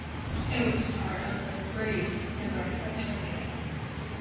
It was part of the "Brady, Nebraska Tornado".